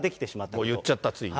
もう言っちゃった、ついに。